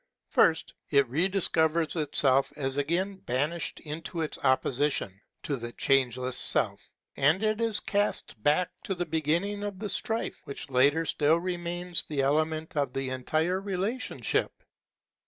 First, it rediscovers itself as again banished into its opposition to the Changeless Self; and it is cast back to the beginning of the strife, which latter still remains the element of the entire relationship.